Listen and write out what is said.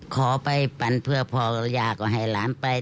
ขอไปปั่นเพื่อพ่อกับย่าก็ให้หลานไป